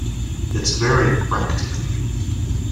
It's very Brechtian.